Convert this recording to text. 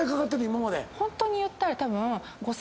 ホントに言ったらたぶん。